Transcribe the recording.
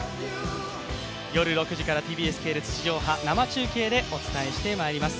夜６時からＴＢＳ系列生中継でお伝えしてまいります。